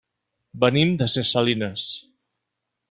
Venim de ses Salines.